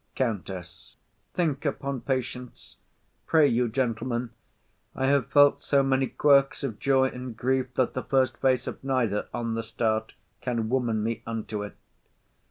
COUNTESS. Think upon patience. Pray you, gentlemen,— I have felt so many quirks of joy and grief That the first face of neither on the start Can woman me unto 't.